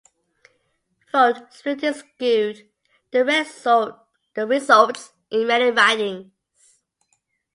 Vote splitting skewed the results in many ridings.